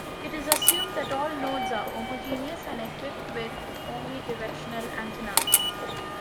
It is assumed that all nodes are homogeneous and equipped with omnidirectional antennas.